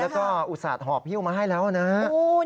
แล้วก็อุศาจหอบหิ้วมาให้แล้วนะฮะ